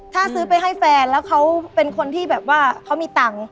ถ้าซื้อไปให้แฟนแล้วเขาเป็นคนที่แบบว่าเขามีตังค์